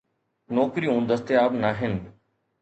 نوڪريون دستياب ناهن.